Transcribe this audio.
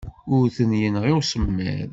Ur ten-yenɣi usemmiḍ.